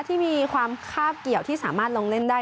ที่มีความคาบเกี่ยวที่สามารถลงเล่นได้